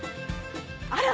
あら